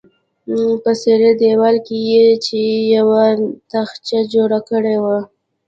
په څیرې دیوال کې یې چې یوه تاخچه جوړه کړې وه.